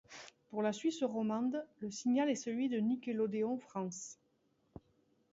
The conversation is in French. Pour la Suisse romande, le signal est celui de Nickelodeon France.